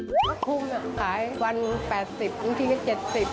เมื่อพรุ่งน่ะขายวัน๘๐ทุกทีก็๗๐